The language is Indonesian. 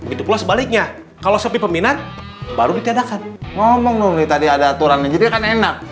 itu pula sebaliknya kalau sepi peminat baru ditiadakan ngomong dulu tadi ada aturan enak